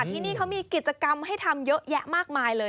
ที่นี่เขามีกิจกรรมให้ทำเยอะแยะมากมายเลย